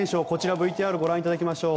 ＶＴＲをご覧いただきましょう。